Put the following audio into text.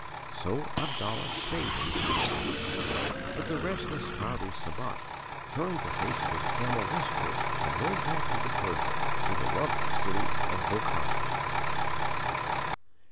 So Abdallah stayed in Kabul. But the restless, fiery Sabat turned the face of his camel westward and rode back into Persia to the lovely city of Bokhara.